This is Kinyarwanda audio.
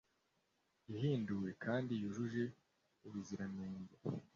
ihinduwe kandi yujuje ubuziranenge.